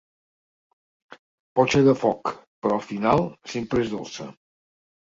Pot ser de foc, però al final sempre és dolça.